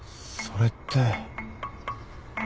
それって。